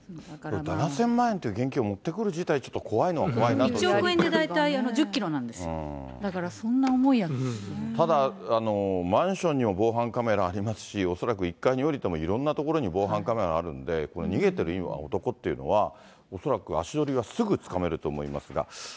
７０００万円という現金を持ってくること自体がちょっと怖い１億円で大体１０キロなんでただ、マンションにも防犯カメラありますし、恐らく１階に下りてもいろんな所に防犯カメラがあるんで、これ今、逃げてる男っていうのは、恐らく足取りがすぐつかめると思いますが。